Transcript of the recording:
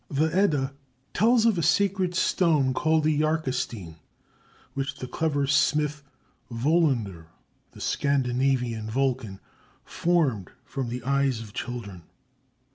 The Edda tells of a sacred stone called the yarkastein, which the clever smith Volöndr (the Scandinavian Vulcan) formed from the eyes of children.